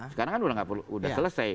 sekarang kan udah gak perlu udah selesai